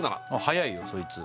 はやいよそいつ